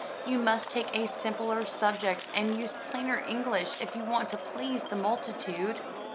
You must take a simpler subject and use plainer English if you want to please the multitude."